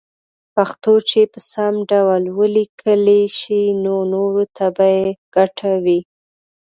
پښتو چې په سم ډول وليکلې شي نو نوره ته به يې ګټه وي